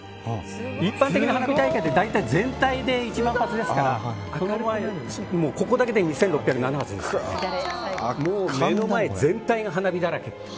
一般的な花火大会は全体で１万発ですからここだけで２６０７発ですから目の前全体が花火だらけ。